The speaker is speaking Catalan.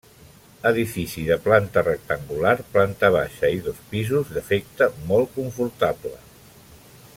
Edifici de planta rectangular, planta baixa i dos pisos, d'efecte molt confortable.